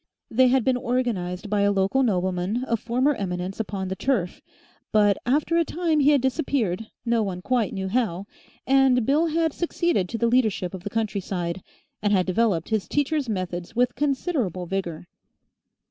They had been organised by a local nobleman of former eminence upon the turf, but after a time he had disappeared, no one quite knew how and Bill had succeeded to the leadership of the countryside, and had developed his teacher's methods with considerable vigour.